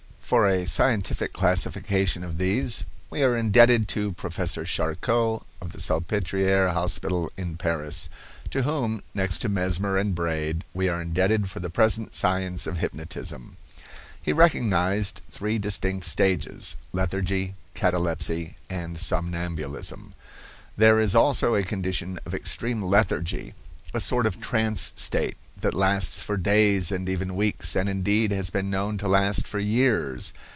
For a scientific classification of these we are indebted to Professor Charcot, of the Salpetriere hospital in Paris, to whom, next to Mesmer and Braid, we are indebted for the present science of hypnotism. He recognized three distinct stages—lethargy, catalepsy and somnambulism. There is also a condition of extreme lethargy, a sort of trance state, that lasts for days and even weeks, and, indeed, has been known to last for years.